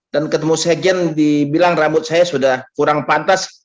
dan ketemu sejen dibilang rambut saya sudah kurang pantas